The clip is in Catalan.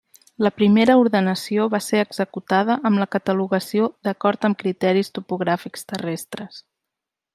La primera ordenació va ser executada amb la catalogació d'acord amb criteris topogràfics terres.